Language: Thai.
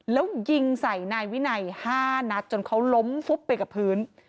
แล้วยิงใส่นายวินัย๕นัดจนเขาล้มฟุบไปกับพื้น